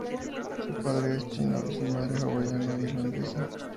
Su padre es chino y su madre hawaiano-irlandesa.